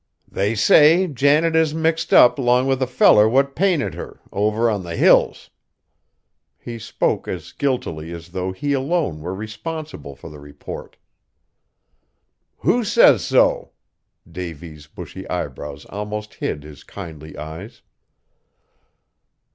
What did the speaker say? "They say, Janet is mixed up 'long with a feller what painted her, over on the Hills!" he spoke as guiltily as though he alone were responsible for the report. "Who says so?" Davy's bushy eyebrows almost hid his kindly eyes.